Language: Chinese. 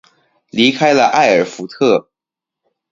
离开了艾尔福特。